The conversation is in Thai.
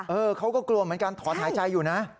เขาก็กลัวเหมือนกันถอนหายใจอยู่นะ